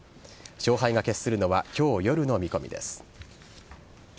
勝敗が決するのは今日夜の見込みです。